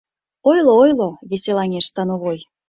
— Ойло, ойло, — веселаҥеш становой.